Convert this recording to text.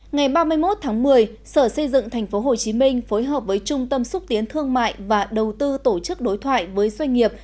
ngày ba mươi một tháng một mươi sở xây dựng tp hcm phối hợp với trung tâm xúc tiến thương mại và đầu tư tổ chức đối thoại với doanh nghiệp